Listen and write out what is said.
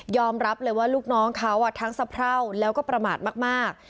รับเลยว่าลูกน้องเขาทั้งสะเพราแล้วก็ประมาทมาก